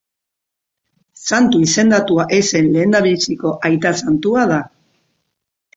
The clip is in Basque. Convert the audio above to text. Santu izendatua ez zen lehendabiziko aita santua da.